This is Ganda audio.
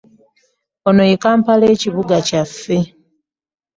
Ono ye Kampala ekibuga kyaffe.